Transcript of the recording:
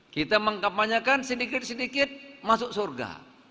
kita mengkampanyekan sedikit sedikit masuk surga